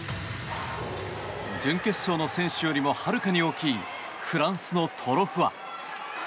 準決勝の選手よりもはるかに大きいフランスのトロフア。